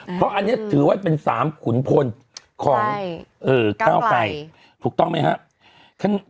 เพราะอันนี้ถือว่าเป็น๓ขุนพลของก้าวไกรถูกต้องไหมครับ